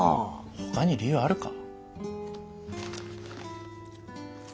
ほかに理由あるか？